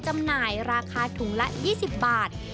จำหน่ายราคาถุงละ๒๐บาท